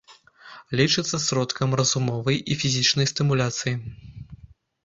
Лічыцца сродкам разумовай і фізічнай стымуляцыі.